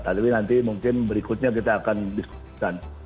tapi nanti mungkin berikutnya kita akan diskusikan